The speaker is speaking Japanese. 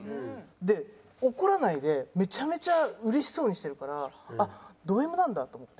で怒らないでめちゃめちゃ嬉しそうにしてるからあっドＭなんだと思って。